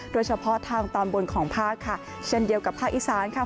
โดยเฉพาะทางตอนบนของภาคค่ะเช่นเดียวกับภาคอีสานค่ะ